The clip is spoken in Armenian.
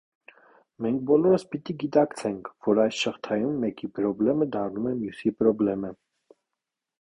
Մենք բոլորս պիտի գիտակցենք, որ այս շղթայում մեկի պրոբլեմը դառնում է մյուսի պրոբլեմը։